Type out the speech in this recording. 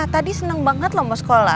tadi senang banget loh mau sekolah